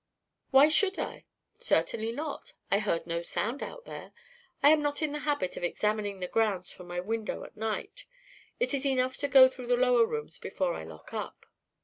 "Why should I? Certainly not. I heard no sound out there. I am not in the habit of examining the grounds from my window at night. It is enough to go through the lower rooms before I lock up."